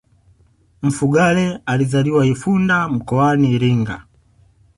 mfugale alizaliwa ifunda mkoani iringa